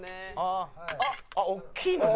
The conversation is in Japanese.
「あっ大きいの２？」